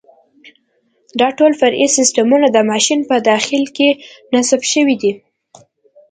دا ټول فرعي سیسټمونه د ماشین په داخل کې نصب شوي دي.